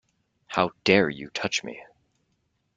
How dare you touch me?